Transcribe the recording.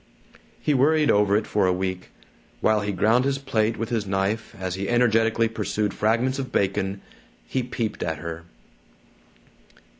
He worried over it for a week. While he ground his plate with his knife as he energetically pursued fragments of bacon, he peeped at her.